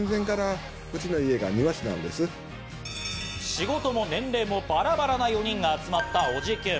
仕事も年齢もバラバラな４人が集まったおじキュン！。